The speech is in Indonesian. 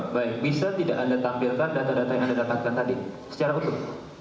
baik bisa tidak anda tampilkan data data yang anda dapatkan tadi secara utuh